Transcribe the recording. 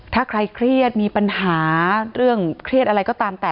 ถ้าใครเครียดมีปัญหาเรื่องเครียดอะไรก็ตามแต่